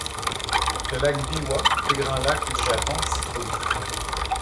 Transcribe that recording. Le Lac Biwa, plus grand lac du Japon, s'y trouve.